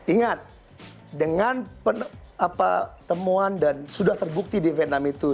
ingat dengan temuan dan sudah terbukti di vietnam itu